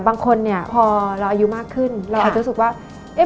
บางคนเนี่ยพอเราอายุมากขึ้นเราอาจจะรู้สึกว่า